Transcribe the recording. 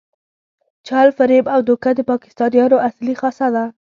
چل، فریب او دوکه د پاکستانیانو اصلي خاصه ده.